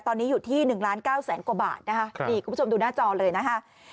ตอนนี้อยู่ที่๑๙๐๐๐๐๐กว่าบาทนะคะคุณผู้ชมดูหน้าจอเลยนะคะ